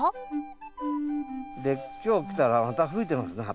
で今日来たらまた増えてますね